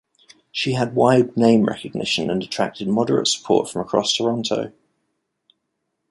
She had wide name recognition and attracted moderate support from across Toronto.